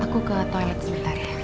aku ke toilet sebentar ya